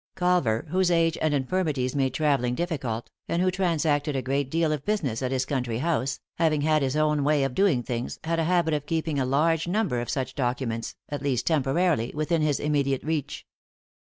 Culver, whose age and infirmities made travelling difficult, and who transacted a great deal of business at his country house, having had his own way of doing things, had a habit of keeping a large number of such documents, at least temporarily, within his immediate reach.